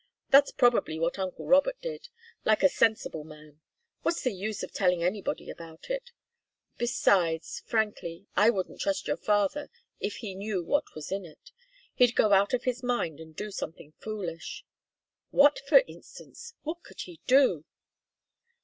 That's probably what uncle Robert did, like a sensible man. What's the use of telling anybody about it? Besides frankly I wouldn't trust your father, if he knew what was in it. He'd go out of his mind and do something foolish." "What, for instance? What could he do?"